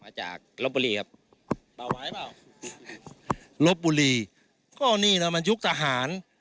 มาจากรบบุรีครับรบบุรีก็นี่นะมันยุคทหาร